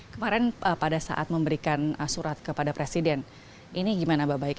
kemarin pada saat memberikan surat kepada presiden ini gimana mbak baik